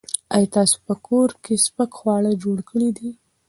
ایا تاسو په کور کې سپک خواړه جوړ کړي دي؟